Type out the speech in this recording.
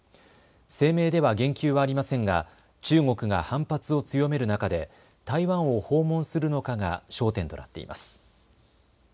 声明では言及はありませんが中国が反発を強める中で台湾を訪問するのかが焦点となっています。